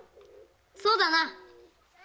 そうだな！